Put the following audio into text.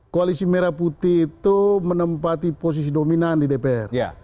koalisi merah putih itu menempati posisi dominan di dpr